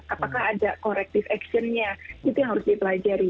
apakah ada corrective actionnya itu yang harus dipelajari